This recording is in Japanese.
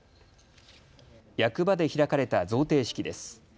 役場で開かれた贈呈式です。